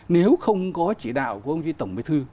nếu không có chỉ đạo của ông chí tổng bí thư